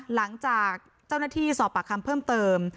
หลังจากเจ้าหน้าที่สอบปากคำเพิ่มเติม